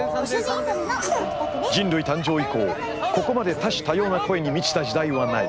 人類誕生以降ここまで多種多様な声に満ちた時代はない。